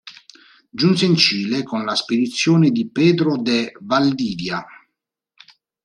Giunse in Cile con la spedizione di Pedro de Valdivia.